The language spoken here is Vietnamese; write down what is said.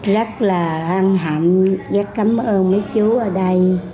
rất là an hạnh rất cảm ơn mấy chú ở đây